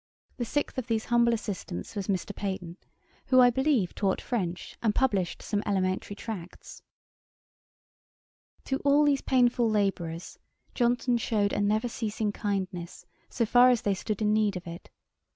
The sixth of these humble assistants was Mr. Peyton, who, I believe, taught French, and published some elementary tracts. [Page 187: Johnson's amanuenses. Ætat 38.] To all these painful labourers, Johnson shewed a never ceasing kindness, so far as they stood in need of it.